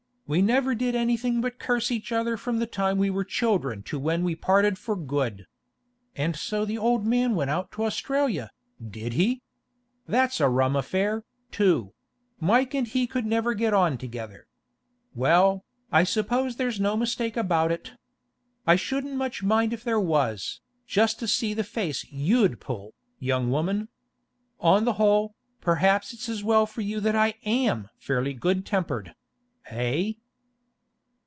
We never did anything but curse each other from the time we were children to when we parted for good. And so the old man went out to Australia, did he? That's a rum affair, too; Mike and he could never get on together. Well, I suppose there's no mistake about it. I shouldn't much mind if there was, just to see the face you'd pull, young woman. On the whole, perhaps it's as well for you that I am fairly good tempered—eh?